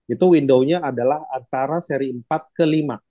itu window nya adalah antara seri empat ke lima